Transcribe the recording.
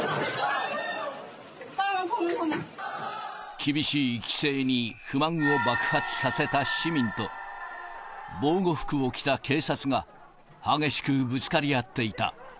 厳しい規制に不満を爆発させた市民と、防護服を着た警察が激しくぶつかり合っていた。